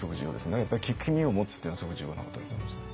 やっぱり「聞く耳を持つ」っていうのはすごい重要なことだと思いますね。